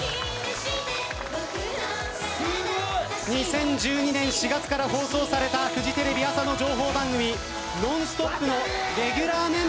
２０１２年４月から放送されたフジテレビ朝の情報番組『ノンストップ！』のレギュラーメンバーとしてはや１２年。